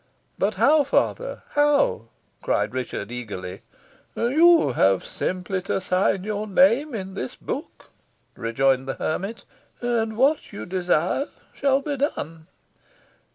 "But how, father how?" cried Richard, eagerly. "You have simply to sign your name in this book," rejoined the hermit, "and what you desire shall be done.